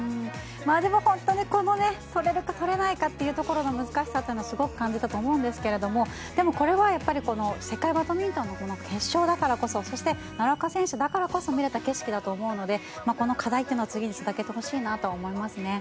でも本当に取れるか取れないかというところの難しさというのはすごい感じたと思うんですけどでも、これは世界バドミントンの決勝だからこそそして、奈良岡選手だからこそ見れた景色だと思うので課題というのを次につなげてほしいなと思います。